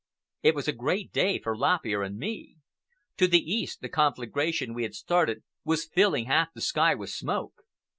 It was a great day for Lop Ear and me. To the east the conflagration we had started was filling half the sky with smoke.